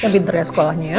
pinter ya sekolahnya ya